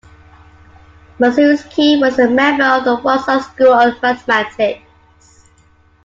Marczewski was a member of the Warsaw School of Mathematics.